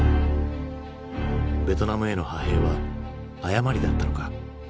ベトナムへの派兵は誤りだったのか？